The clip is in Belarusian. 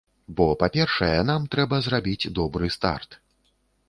Бо, па-першае, нам трэба зрабіць добры старт.